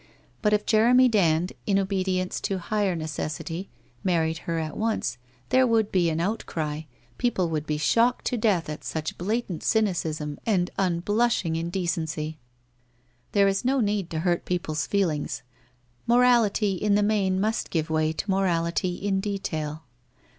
But if Jeremy Dand, in obedience to a higher necessity, married her at once, there would be an outcry, people would be shocked to death at such blatant cynicism and unblushing in decency. There is no need to hurt people's feelings; mo rality in the main must give way to morality in detail.